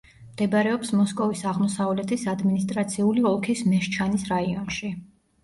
მდებარეობს მოსკოვის აღმოსავლეთის ადმინისტრაციული ოლქის მეშჩანის რაიონში.